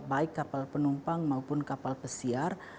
baik kapal penumpang maupun kapal pesiar